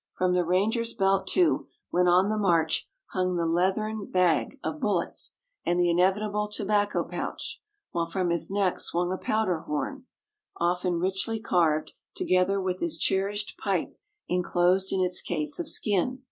From the ranger's belt, too, when on the march, hung the leathern bag of bullets, and the inevitable tobacco pouch; while from his neck swung a powder horn, often richly carved, together with his cherished pipe inclosed in its case of skin.